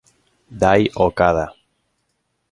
Dai Okada